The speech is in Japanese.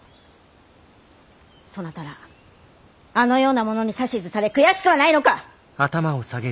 そなたらあのような者に指図され悔しくはないのか！？